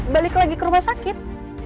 balik lagi ke rumah sakit